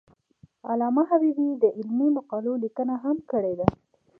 علامه حبیبي د علمي مقالو لیکنه هم کړې ده.